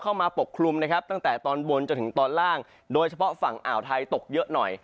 ปกคลุมนะครับตั้งแต่ตอนบนจนถึงตอนล่างโดยเฉพาะฝั่งอ่าวไทยตกเยอะหน่อย